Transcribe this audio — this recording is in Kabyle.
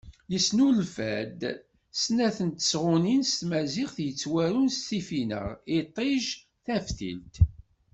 Yesnulfa-d snat n tesɣunin s tmaziɣt i yettwarun s tfinaɣ “Iṭij, Taftilt”.